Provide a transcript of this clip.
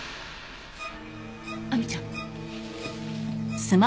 亜美ちゃん。